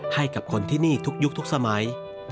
ให้กับคนที่นี่ทุกยุคทุกสมัย